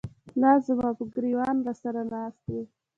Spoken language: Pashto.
لاس زماپه ګر ېوانه راسره ناست وې